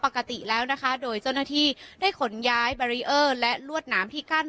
ปกติแล้วนะคะโดยจนทีได้ขนย้ายและลวดหนามที่กั้น